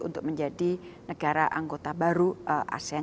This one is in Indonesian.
untuk menjadi negara anggota baru asean